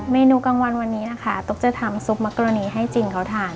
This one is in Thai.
เมนูกลางวันวันนี้นะคะตุ๊กจะทำซุปมะกรณีให้จีนเขาทาน